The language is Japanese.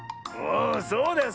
そうだよ。